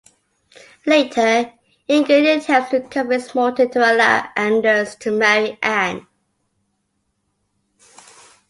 Later, Inger attempts to convince Morten to allow Anders to marry Anne.